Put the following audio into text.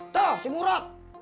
tuh si murot